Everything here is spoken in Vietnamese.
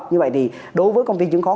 như vậy thì đối với công ty chứng khó